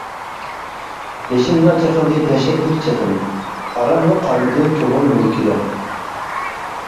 بېشىمدا چېقىلدى دەھشەتلىك چېقىن، ئاراملىق قالمىدى كۆڭۈل مۈلكىدە.